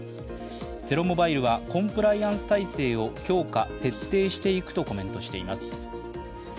ゼロモバイルはコンプライアンス体制を強化・徹底していくとコメントしています。